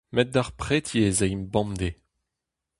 Met d'ar preti ez aimp bemdez.